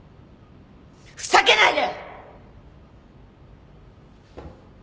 ふざけないで！